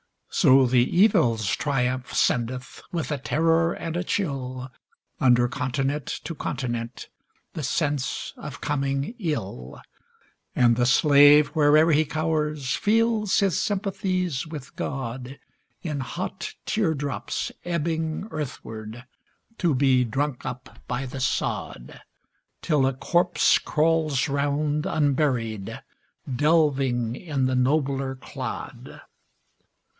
So the Evil's triumph sendeth, with a terror and a chill, Under continent to continent, the sense of coming ill, And the slave, where'er he cowers, feels his sympathies with God In hot tear drops ebbing earthward, to be drunk up by the sod, Till a corpse crawls round unburied, delving in the nobler clod.